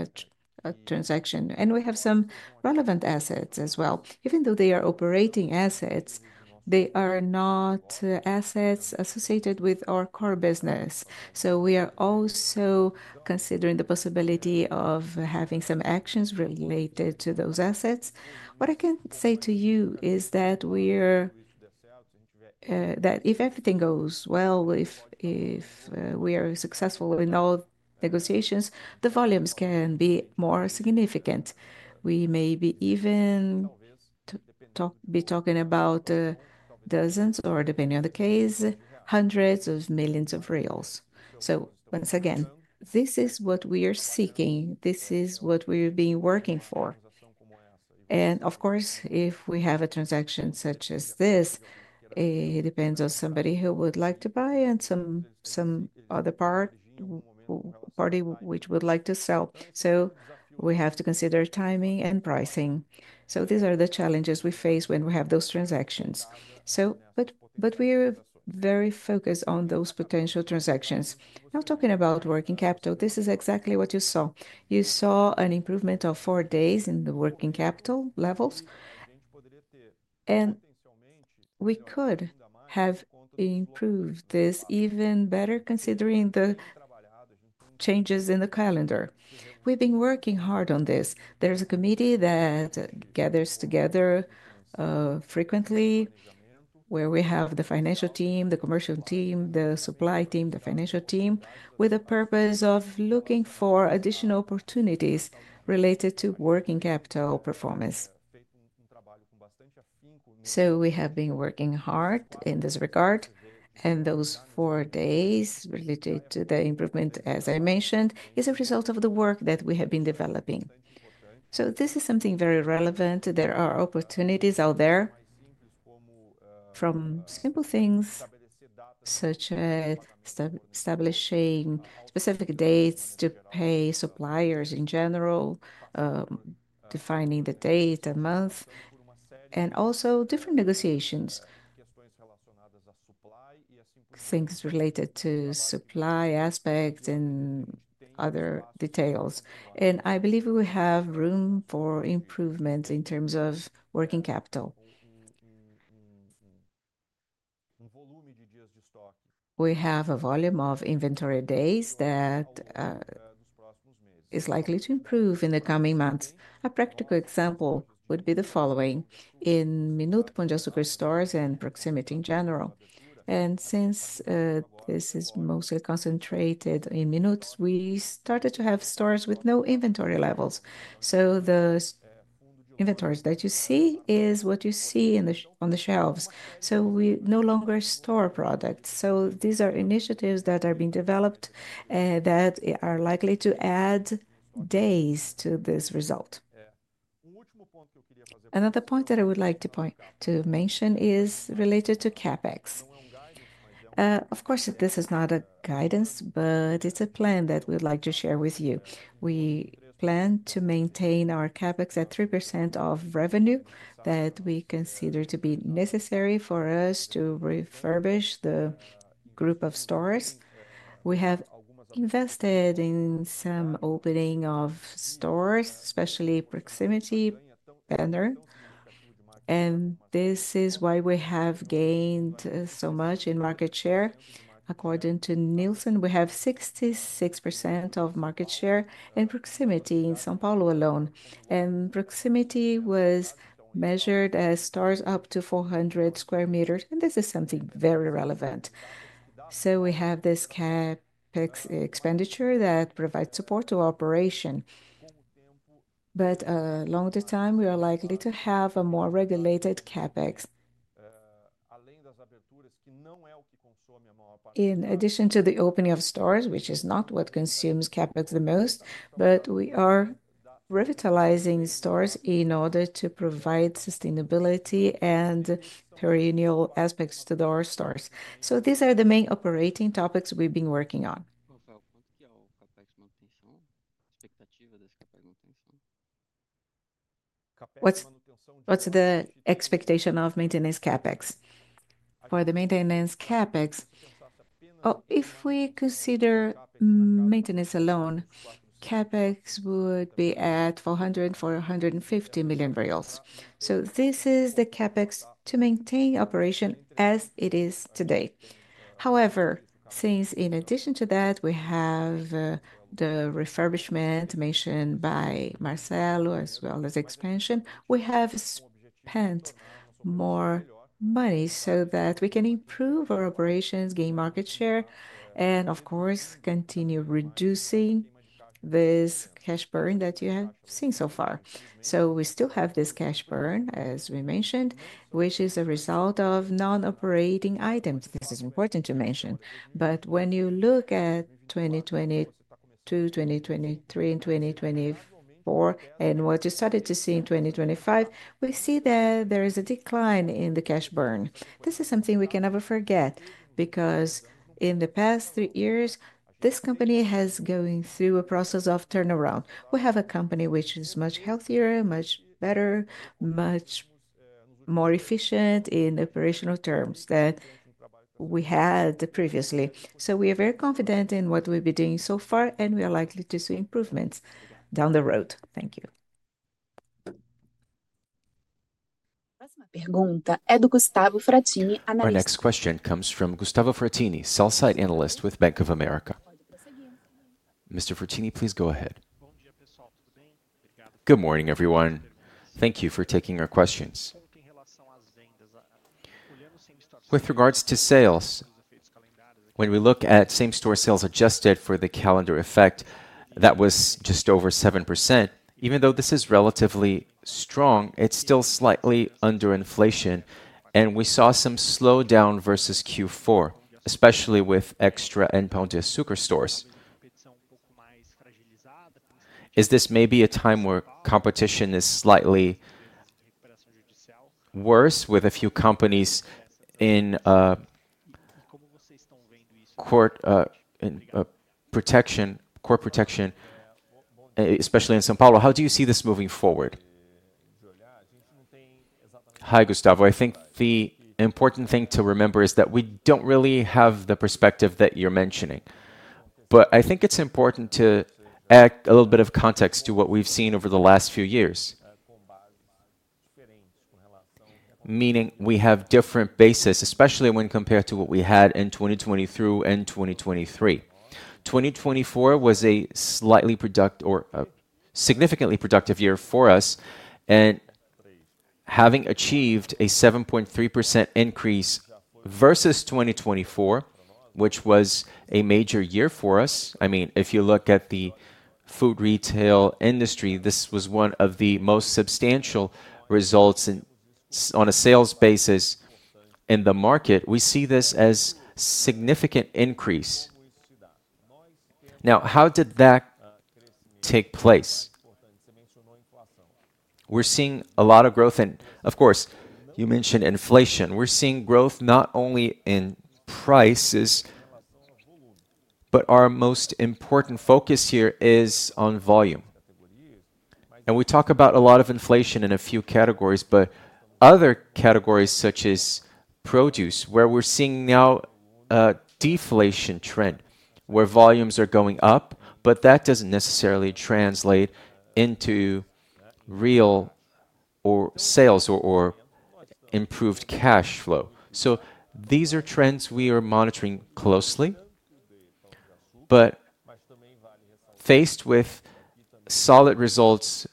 Speaker 3: a transaction. We have some relevant assets as well. Even though they are operating assets, they are not assets associated with our core business. We are also considering the possibility of having some actions related to those assets. What I can say to you is that if everything goes well, if we are successful in all negotiations, the volumes can be more significant. We may be even talking about dozens, or depending on the case, hundreds of millions of BRL. Once again, this is what we are seeking. This is what we've been working for. Of course, if we have a transaction such as this, it depends on somebody who would like to buy and some other party which would like to sell. We have to consider timing and pricing. These are the challenges we face when we have those transactions. We are very focused on those potential transactions. Now talking about working capital, this is exactly what you saw. You saw an improvement of four days in the working capital levels. We could have improved this even better considering the changes in the calendar. We have been working hard on this. There is a committee that gathers together frequently where we have the financial team, the commercial team, the supply team, the financial team, with the purpose of looking for additional opportunities related to working capital performance. We have been working hard in this regard. Those four days related to the improvement, as I mentioned, is a result of the work that we have been developing. This is something very relevant. There are opportunities out there from simple things such as establishing specific dates to pay suppliers in general, defining the date and month, and also different negotiations, things related to supply aspects and other details. I believe we have room for improvement in terms of working capital. We have a volume of inventory days that is likely to improve in the coming months. A practical example would be the following: in Minuto Pão de Açúcar stores and proximity in general. Since this is mostly concentrated in Minuto, we started to have stores with no inventory levels. The inventories that you see is what you see on the shelves. We no longer store products. These are initiatives that are being developed that are likely to add days to this result. Another point that I would like to mention is related to CapEx. Of course, this is not a guidance, but it is a plan that we would like to share with you. We plan to maintain our CapEx at 3% of revenue that we consider to be necessary for us to refurbish the group of stores. We have invested in some opening of stores, especially proximity banner. This is why we have gained so much in market share. According to Nielsen, we have 66% of market share in proximity in São Paulo alone. Proximity was measured as stores up to 400 sq m. This is something very relevant. We have this CapEx expenditure that provides support to operation. Along the time, we are likely to have a more regulated CapEx. In addition to the opening of stores, which is not what consumes CapEx the most, we are revitalizing stores in order to provide sustainability and perennial aspects to our stores. These are the main operating topics we've been working on.
Speaker 8: What's the expectation of maintenance CapEx?
Speaker 3: For the maintenance CapEx, if we consider maintenance alone, CapEx would be at 400 million-450 million reais. This is the CapEx to maintain operation as it is today. However, since in addition to that, we have the refurbishment mentioned by Marcelo, as well as expansion, we have spent more money so that we can improve our operations, gain market share, and of course, continue reducing this cash burn that you have seen so far. We still have this cash burn, as we mentioned, which is a result of non-operating items. This is important to mention. When you look at 2022, 2023, and 2024, and what you started to see in 2025, we see that there is a decline in the cash burn. This is something we can never forget because in the past three years, this company has gone through a process of turnaround. We have a company which is much healthier, much better, much more efficient in operational terms than we had previously. We are very confident in what we've been doing so far, and we are likely to see improvements down the road.
Speaker 8: Thank you.
Speaker 1: Our next question comes from Gustavo Fratini, Sell Site Analyst with Bank of America. Mr. Fratini, please go ahead. Bom dia, pessoal, tudo bem?
Speaker 9: Good morning, everyone. Thank you for taking our questions. With regards to sales, when we look at same-store sales adjusted for the calendar effect, that was just over 7%. Even though this is relatively strong, it's still slightly under inflation. We saw some slowdown versus Q4, especially with Extra and Pão de Açúcar stores. Is this maybe a time where competition is slightly worse, with a few companies in court protection, especially in São Paulo? How do you see this moving forward?
Speaker 2: Hi, Gustavo. I think the important thing to remember is that we don't really have the perspective that you're mentioning. I think it's important to add a little bit of context to what we've seen over the last few years, meaning we have different bases, especially when compared to what we had in 2022 and 2023. 2024 was a slightly significantly productive year for us, and having achieved a 7.3% increase versus 2024, which was a major year for us. I mean, if you look at the food retail industry, this was one of the most substantial results on a sales basis in the market. We see this as a significant increase. Now, how did that take place? We're seeing a lot of growth. Of course, you mentioned inflation. We're seeing growth not only in prices, but our most important focus here is on volume. We talk about a lot of inflation in a few categories, but other categories such as produce, where we're seeing now a deflation trend, where volumes are going up, but that does not necessarily translate into real sales or improved cash flow. These are trends we are monitoring closely, but faced with solid results,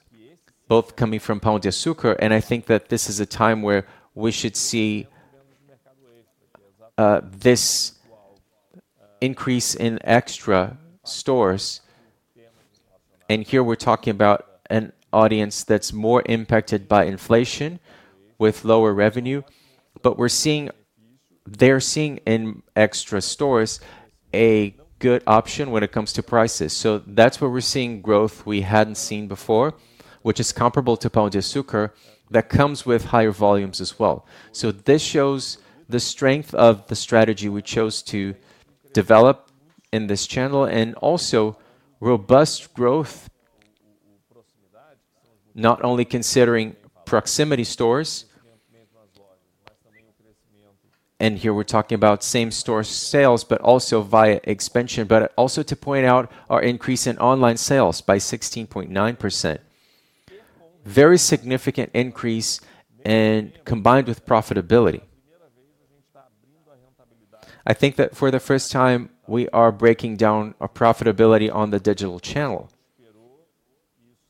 Speaker 2: both coming from Pão de Açúcar, and I think that this is a time where we should see this increase in Extra stores. Here we are talking about an audience that is more impacted by inflation with lower revenue, but they are seeing in Extra stores a good option when it comes to prices. That is where we are seeing growth we had not seen before, which is comparable to Pão de Açúcar, that comes with higher volumes as well. This shows the strength of the strategy we chose to develop in this channel and also robust growth, not only considering proximity stores. Here we are talking about same-store sales, but also via expansion, but also to point out our increase in online sales by 16.9%. Very significant increase and combined with profitability. I think that for the first time, we are breaking down our profitability on the digital channel.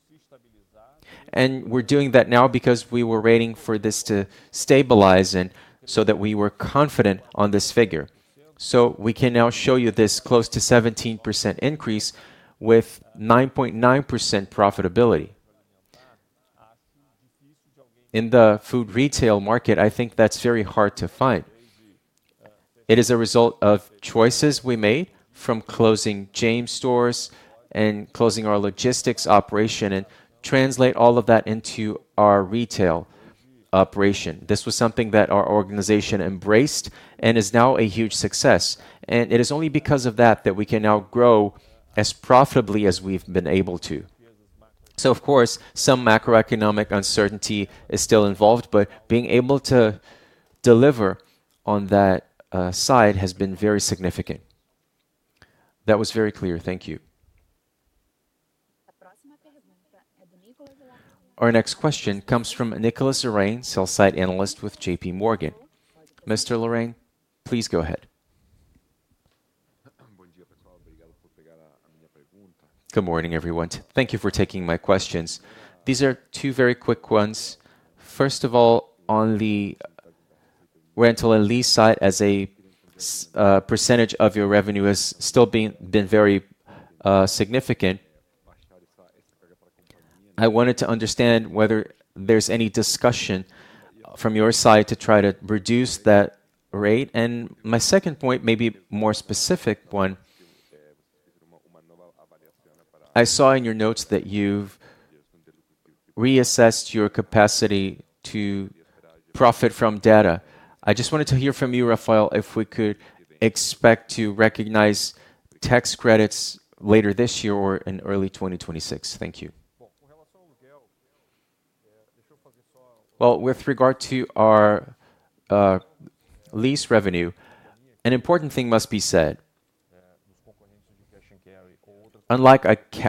Speaker 2: We are doing that now because we were waiting for this to stabilize and so that we were confident on this figure. We can now show you this close to 17% increase with 9.9% profitability. In the food retail market, I think that's very hard to find. It is a result of choices we made from closing James stores and closing our logistics operation and translate all of that into our retail operation. This was something that our organization embraced and is now a huge success. It is only because of that that we can now grow as profitably as we've been able to. Of course, some macroeconomic uncertainty is still involved, but being able to deliver on that side has been very significant.
Speaker 9: That was very clear. Thank you.
Speaker 1: Our next question comes from Nicolás Larrain, Sell Side Analyst with JPMorgan. Mr. Larrain, please go ahead.
Speaker 10: Good morning, everyone. Thank you for taking my questions. These are two very quick ones. First of all, on the rental and lease side, as a percentage of your revenue has still been very significant, I wanted to understand whether there's any discussion from your side to try to reduce that rate. And my second point, maybe a more specific one, I saw in your notes that you've reassessed your capacity to profit from data. I just wanted to hear from you, Rafael, if we could expect to recognize tax credits later this year or in early 2026. Thank you.
Speaker 3: With regard to our lease revenue, an important thing must be said. Unlike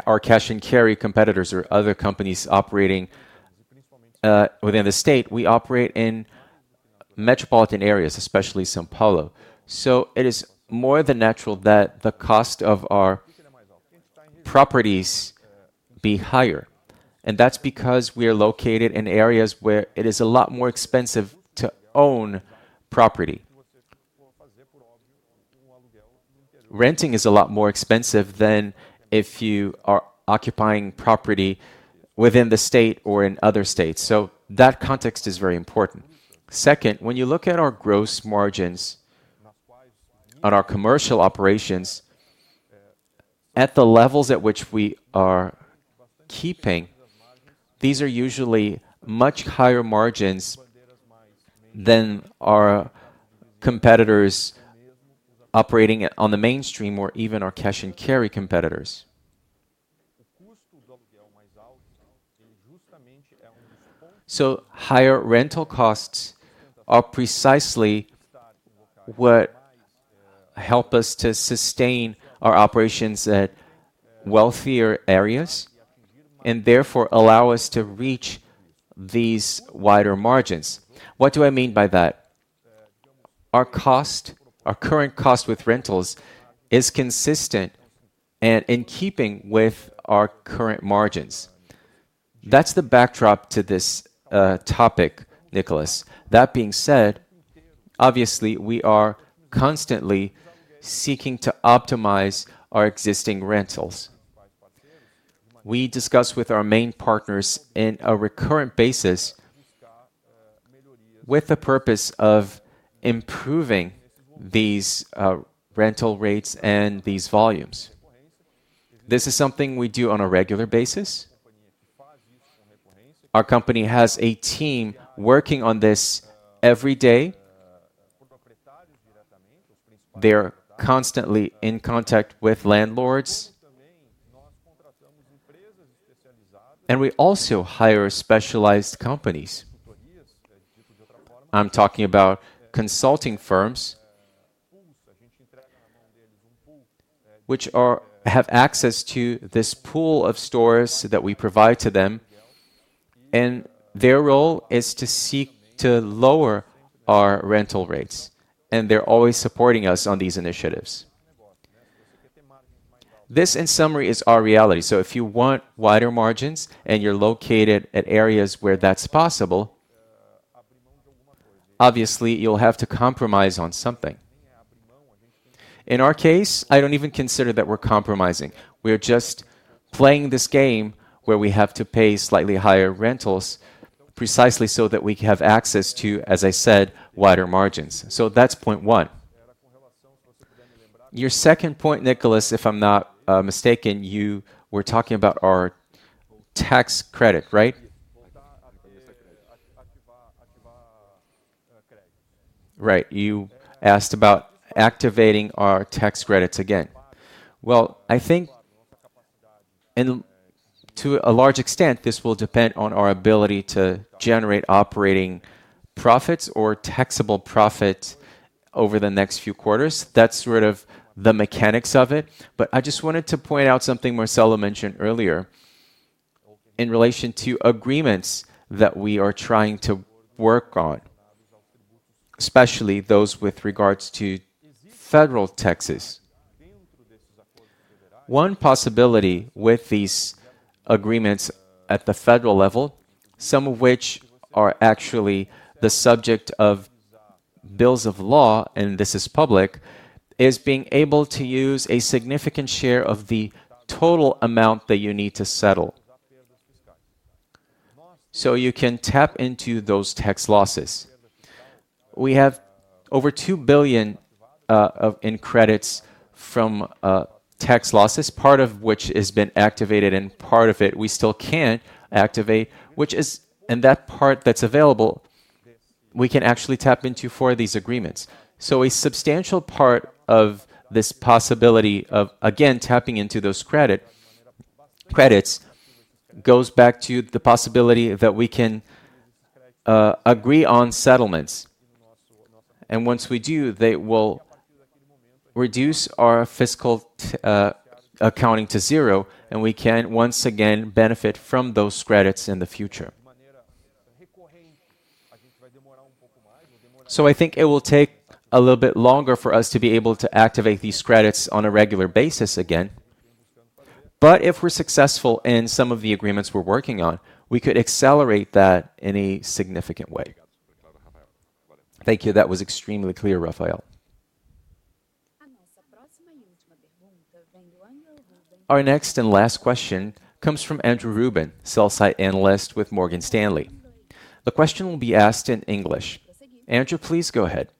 Speaker 3: our cash and carry competitors or other companies operating within the state, we operate in metropolitan areas, especially São Paulo. It is more than natural that the cost of our properties be higher. That is because we are located in areas where it is a lot more expensive to own property. Renting is a lot more expensive than if you are occupying property within the state or in other states. That context is very important. Second, when you look at our gross margins on our commercial operations, at the levels at which we are keeping, these are usually much higher margins than our competitors operating on the mainstream or even our cash and carry competitors. Higher rental costs are precisely what help us to sustain our operations at wealthier areas and therefore allow us to reach these wider margins. What do I mean by that? Our current cost with rentals is consistent and in keeping with our current margins. That is the backdrop to this topic, Nicolás. That being said, obviously, we are constantly seeking to optimize our existing rentals. We discuss with our main partners on a recurrent basis with the purpose of improving these rental rates and these volumes. This is something we do on a regular basis. Our company has a team working on this every day. They are constantly in contact with landlords. We also hire specialized companies. I am talking about consulting firms, which have access to this pool of stores that we provide to them. Their role is to seek to lower our rental rates. They are always supporting us on these initiatives. This, in summary, is our reality. If you want wider margins and you're located at areas where that's possible, obviously, you'll have to compromise on something. In our case, I don't even consider that we're compromising. We're just playing this game where we have to pay slightly higher rentals precisely so that we have access to, as I said, wider margins. That's point one. Your second point, Nicolás, if I'm not mistaken, you were talking about our tax credit, right?
Speaker 10: Right.
Speaker 3: You asked about activating our tax credits again. I think to a large extent, this will depend on our ability to generate operating profits or taxable profits over the next few quarters. That's sort of the mechanics of it. I just wanted to point out something Marcelo mentioned earlier in relation to agreements that we are trying to work on, especially those with regards to federal taxes. One possibility with these agreements at the federal level, some of which are actually the subject of bills of law, and this is public, is being able to use a significant share of the total amount that you need to settle. You can tap into those tax losses. We have over 2 billion in credits from tax losses, part of which has been activated and part of it we still cannot activate, which is. That part that is available, we can actually tap into for these agreements. A substantial part of this possibility of, again, tapping into those credits goes back to the possibility that we can agree on settlements. Once we do, they will reduce our fiscal accounting to zero, and we can once again benefit from those credits in the future. I think it will take a little bit longer for us to be able to activate these credits on a regular basis again. If we are successful in some of the agreements we are working on, we could accelerate that in a significant way.
Speaker 10: Thank you. That was extremely clear, Rafael.
Speaker 1: Our next and last question comes from Andrew Ruben, Sell Side Analyst with Morgan Stanley. The question will be asked in English. Andrew, please go ahead.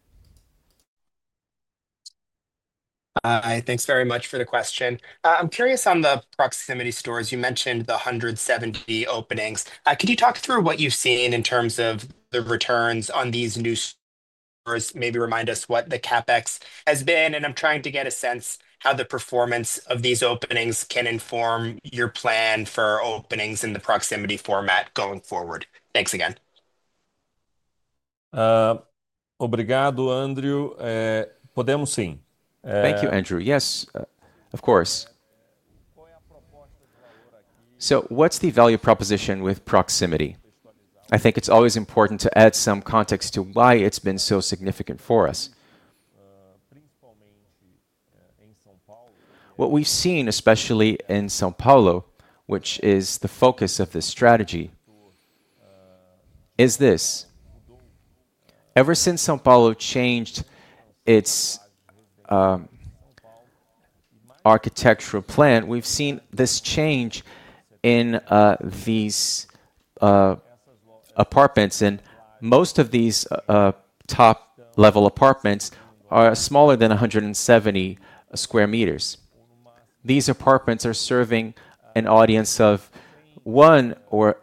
Speaker 11: Hi. Thanks very much for the question. I am curious on the proximity stores. You mentioned the 170 openings. Could you talk through what you have seen in terms of the returns on these new stores? Maybe remind us what the CapEx has been. I am trying to get a sense of how the performance of these openings can inform your plan for openings in the proximity format going forward. Thanks again.
Speaker 3: Obrigado, Andrew. Podemos, sim. Thank you, Andrew. Yes, of course. What is the value proposition with proximity? I think it is always important to add some context to why it has been so significant for us. What we have seen, especially in São Paulo, which is the focus of this strategy, is this: ever since São Paulo changed its architectural plan, we have seen this change in these apartments. Most of these top-level apartments are smaller than 170 sq m. These apartments are serving an audience of one or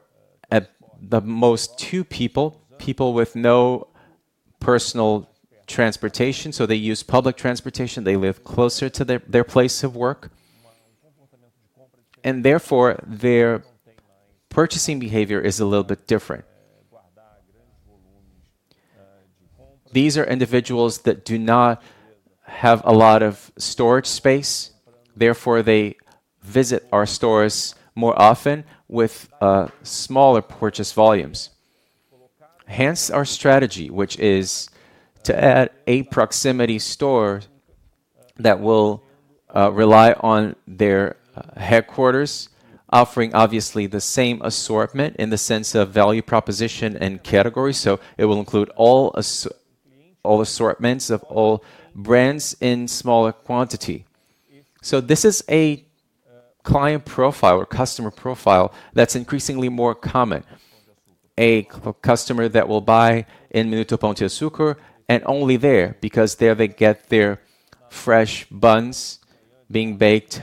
Speaker 3: at the most two people, people with no personal transportation. They use public transportation. They live closer to their place of work. Therefore, their purchasing behavior is a little bit different. These are individuals that do not have a lot of storage space. Therefore, they visit our stores more often with smaller purchase volumes. Hence, our strategy, which is to add a proximity store that will rely on their headquarters, offering obviously the same assortment in the sense of value proposition and category. It will include all assortments of all brands in smaller quantity. This is a client profile or customer profile that's increasingly more common. A customer that will buy in Minuto Pão de Açúcar and only there because there they get their fresh buns being baked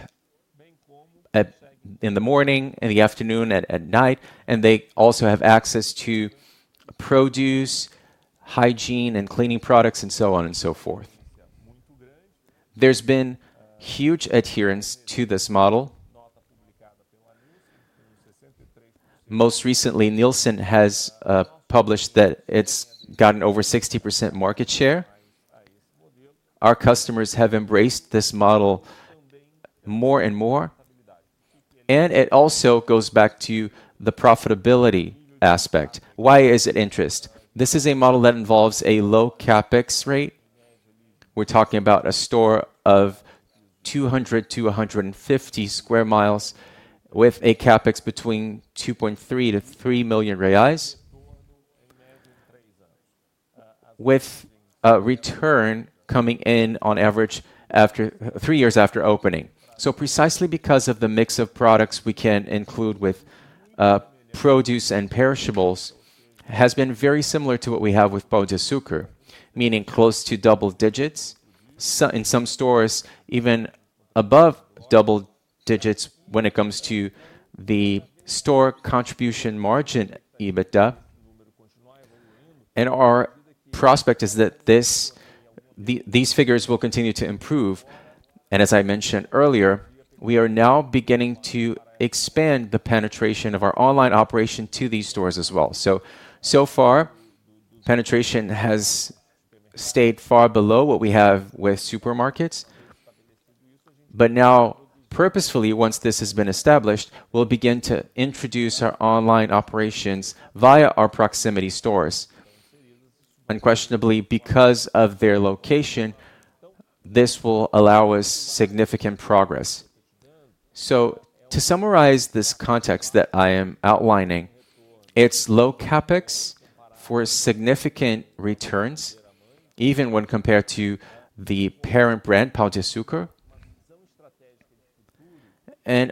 Speaker 3: in the morning, in the afternoon, at night. They also have access to produce, hygiene, and cleaning products, and so on and so forth. There's been huge adherence to this model. Most recently, Nielsen has published that it's gotten over 60% market share. Our customers have embraced this model more and more. It also goes back to the profitability aspect. Why is it interest? This is a model that involves a low CapEx rate. We're talking about a store of 200 to 150 sq mi with a CapEx between 2.3 million-3 million reais with a return coming in on average after three years after opening. Precisely because of the mix of products we can include with produce and perishables, it has been very similar to what we have with Pão de Açúcar, meaning close to double digits. In some stores, even above double digits when it comes to the store contribution margin EBITDA. Our prospect is that these figures will continue to improve. As I mentioned earlier, we are now beginning to expand the penetration of our online operation to these stores as well. So far, penetration has stayed far below what we have with supermarkets. Now, purposefully, once this has been established, we'll begin to introduce our online operations via our proximity stores. Unquestionably, because of their location, this will allow us significant progress. To summarize this context that I am outlining, it's low CapEx for significant returns, even when compared to the parent brand, Pão de Açúcar.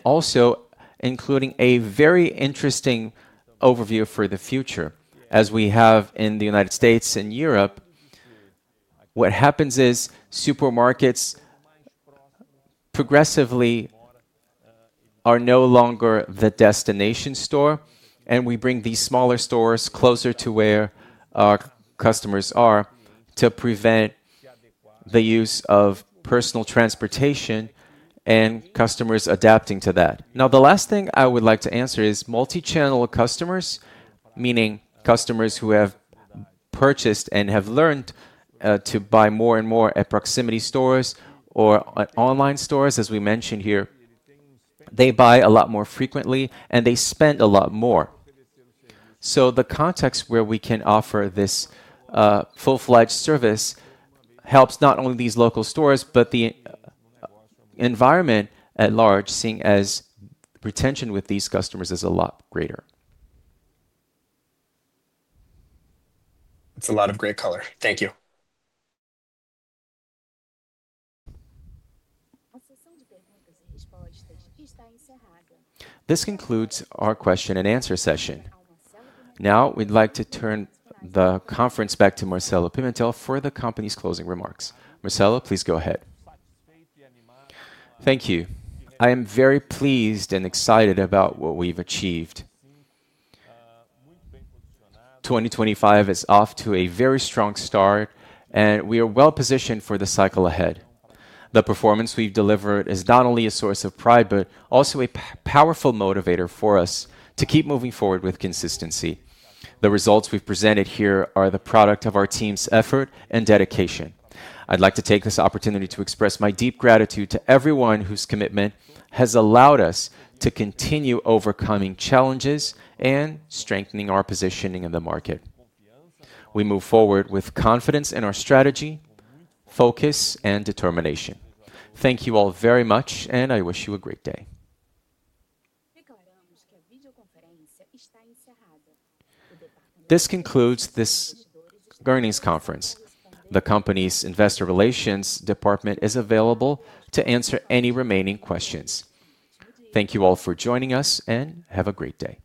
Speaker 3: Also including a very interesting overview for the future. As we have in the United States and Europe, what happens is supermarkets progressively are no longer the destination store. We bring these smaller stores closer to where our customers are to prevent the use of personal transportation and customers adapting to that. The last thing I would like to answer is multi-channel customers, meaning customers who have purchased and have learned to buy more and more at proximity stores or online stores, as we mentioned here. They buy a lot more frequently, and they spend a lot more. The context where we can offer this full-fledged service helps not only these local stores, but the environment at large, seeing as retention with these customers is a lot greater.
Speaker 11: That's a lot of great color. Thank you.
Speaker 1: A sessão de perguntas e respostas está encerrada. This concludes our question and answer session. Now, we'd like to turn the conference back to Marcelo Pimentel for the company's closing remarks. Marcelo, please go ahead.
Speaker 2: Thank you. I am very pleased and excited about what we've achieved. 2025 is off to a very strong start, and we are well positioned for the cycle ahead. The performance we've delivered is not only a source of pride, but also a powerful motivator for us to keep moving forward with consistency. The results we've presented here are the product of our team's effort and dedication. I'd like to take this opportunity to express my deep gratitude to everyone whose commitment has allowed us to continue overcoming challenges and strengthening our positioning in the market. We move forward with confidence in our strategy, focus, and determination. Thank you all very much, and I wish you a great day.
Speaker 1: This concludes this earnings conference. The company's investor relations department is available to answer any remaining questions. Thank you all for joining us, and have a great day.